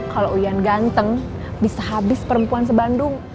kalau uyan ganteng bisa habis perempuan sebandung